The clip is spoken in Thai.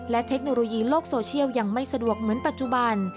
และเทคโนโลยีโลกโซเชียลยังไม่สะดวกเหมือนปัจจุบัน